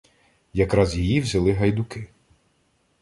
Якраз її взяли гайдуки